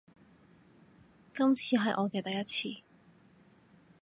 今次係我嘅第一次